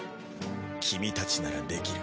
君たちならできる。